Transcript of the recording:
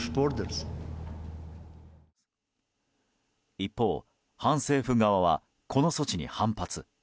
一方、反政府側はこの措置に反発。